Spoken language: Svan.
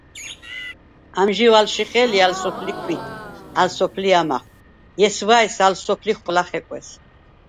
ამჟი̄ვ ალშიხე̄ლი ალ სოფლი ქვით, ალ სოფლი ამახვ, ჲესვა̄̈ჲს ალ სოფლი ხოლა ხეკვეს!